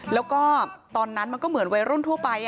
แล้วก็ตอนนั้นมันก็เหมือนวัยรุ่นทั่วไป